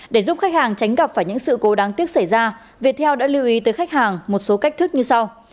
để giúp khách hàng tránh gặp phải những sự cố đáng tiếc xảy ra viettel đã lưu ý tới khách hàng một số cách thức như sau